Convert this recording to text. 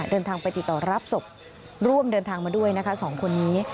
เดินทางไปติดต่อรับศพร่วมเดินทางมาด้วยนะคะสองคนนี้